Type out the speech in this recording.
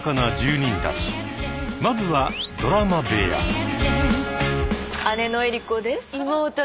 まずはドラマ部屋。わ！